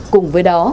cùng với đó